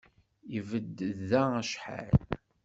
Ibedd da acḥal.